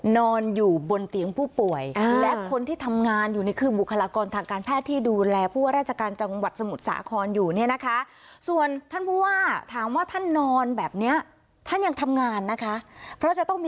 นอนอยู่บนเตียงผู้ป่วยและคนที่ทำงานอยู่นี่คือบุคลากรทางการแพทย์ที่ดูแลผู้ราชการจังหวัดสมุทรสาครอยู่เนี่ยนะคะ